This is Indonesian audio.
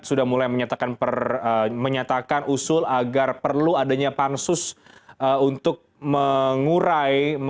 sudah mulai menyatakan usul agar perlu adanya pansus untuk mengurai